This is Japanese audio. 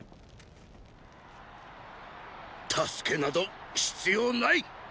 援けなど必要ない！